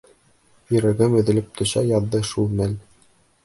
Йөрәгем өҙөлөп төшә яҙҙы шул мәл...